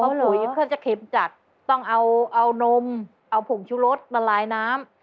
อ๋อเหรอเขาจะเข็มจัดต้องเอาเอานมเอาผงชุรสมาลายน้ำ